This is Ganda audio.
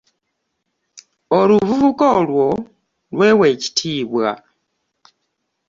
Oluvubuka olwo lwewa ekitiibwa.